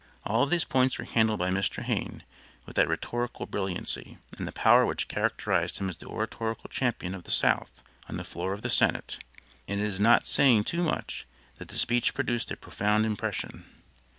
All of these points were handled by Mr. Hayne with that rhetorical brilliancy, and the power which characterized him as the oratorical champion of the South on the floor of the Senate, and it is not saying too much that the speech produced a profound impression.